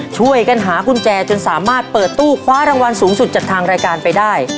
ช่วยกันหากุญแจจนสามารถเปิดตู้คว้ารางวัลสูงสุดจากทางรายการไปได้